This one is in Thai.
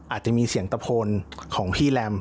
อาจจะมีเสียงตะโพนของพี่แรม